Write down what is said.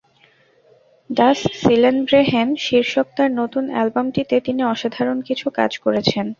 ডাস সিলেনব্রেহেন শীর্ষক তাঁর নতুন অ্যালবামটিতে তিনি অসাধারণ কিছু কাজ করেছেন।